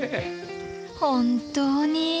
本当に。